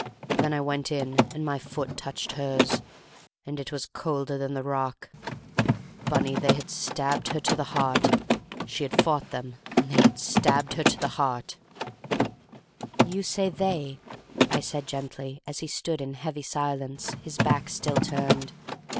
Then I went in, and my foot touched hers, and it was colder than the rock ... Bunny, they had stabbed her to the heart. She had fought them, and they had stabbed her to the heart!" "You say 'they,'" I said gently, as he stood in heavy silence, his back still turned.